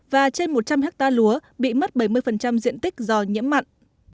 và trên một trăm linh hectare lúa bị mất bảy mươi diện tích do nhiễm mặn